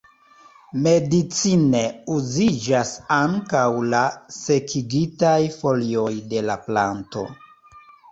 Medicine uziĝas ankaŭ la sekigitaj folioj de la planto.